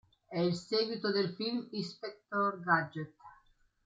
È il seguito del film "Inspector Gadget".